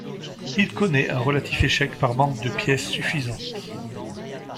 Il connait un relatif échec par manque de pièces suffisantes.